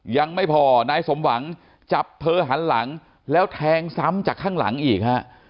ยังไม่พอนายสมหวังจับเธอหันหลังแล้วแทงซ้ำจากข้างหลังอีกฮะ